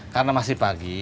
karena masih pagi